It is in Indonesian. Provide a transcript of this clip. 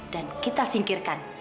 dan kita singkirkan